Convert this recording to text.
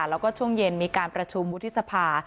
แล้วก็ช่วงเย็นมีการประชุมวุฒิสภา